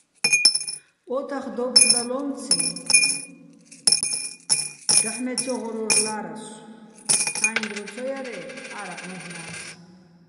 ოთახ დოფხდალო́მციჼ, დაჰ̦ მე ცო ღორჲორლა́რასო̆, ჩაიჼ დრო ცო ჲარე́, არაყ მაჲლნა́ს.